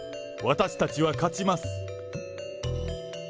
私たちは勝ちます。